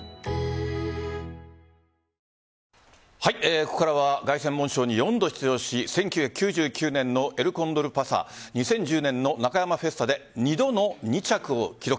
ここからは凱旋門賞に４度出場し１９９９年のエルコンドルパサー２０１０年のナカヤマフェスタで２度の２着を記録。